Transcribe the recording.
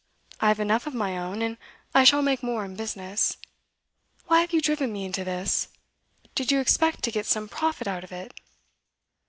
I have enough of my own, and I shall make more in business. Why have you driven me into this? Did you expect to get some profit out of it?